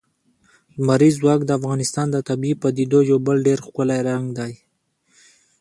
لمریز ځواک د افغانستان د طبیعي پدیدو یو بل ډېر ښکلی رنګ دی.